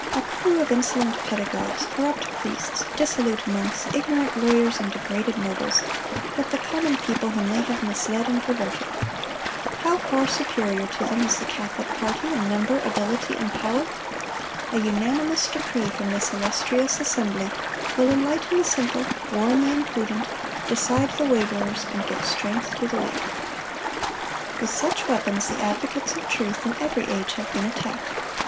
A crew of insolent pedagogues, corrupt priests, dissolute monks, ignorant lawyers, and degraded nobles, with the common people whom they have misled and perverted. How far superior to them is the Catholic party in number, ability, and power! A unanimous decree from this illustrious assembly will enlighten the simple, warn the imprudent, decide the waverers, and give strength to the weak."(202) With such weapons the advocates of truth in every age have been attacked.